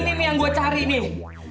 ini nih yang gua cari nih